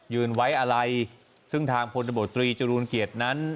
ยืนไว้ไว้ซึ่งทางพทบตรีจรูลเกียรนั้น